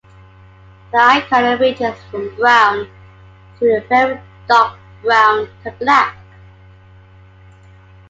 The eye colour ranges from brown through very dark brown to black.